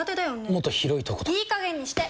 もっと広いところとかいい加減にして！